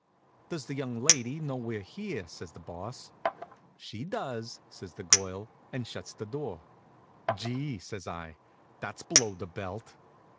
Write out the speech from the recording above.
"Does the young lady know we're here?" says the Boss. "She does," says the girl, and shuts the door. "Gee!" says I, "that's below the belt."